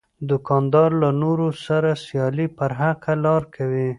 دوکاندار له نورو سره سیالي پر حقه لار کوي.